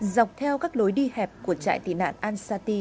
dọc theo các lối đi hẹp của trại tỉ nạn ansati